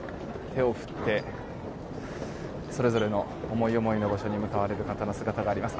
手を振って、それぞれの思い思いの場所に向かわれる方の姿があります。